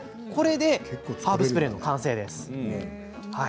ハーブスプレーの完成です。